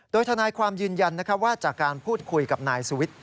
โดยทนายความยืนยันว่าจากการพูดคุยกับนายสุวิทย์